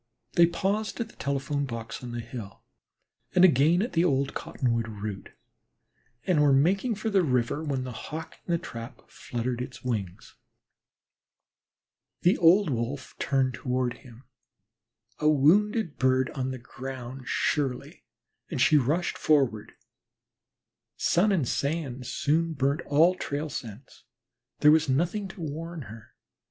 They paused at the telephone box on the hill and again at the old cottonwood root, and were making for the river when the Hawk in the trap fluttered his wings. The old Wolf turned toward him, a wounded bird on the ground surely, and she rushed forward. Sun and sand soon burn all trail scents; there was nothing to warn her.